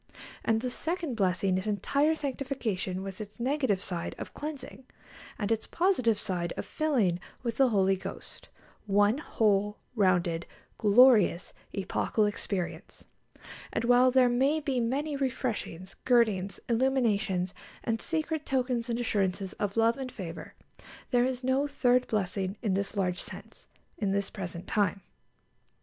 And the second blessing is entire sanctification, with its negative side of cleansing, and its positive side of filling with the Holy Ghost one whole, rounded, glorious, epochal experience. And while there may be many refreshings, girdings, illuminations, and secret tokens and assurances of love and favour, there is no third blessing in this large sense, in this present time.